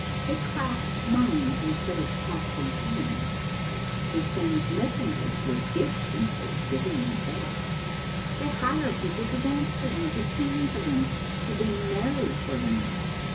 They clasp minds instead of clasping hands ; they send messengers with gifts instead of giving them selves. They hire people to dance for them, to sing for them, to be merry for them.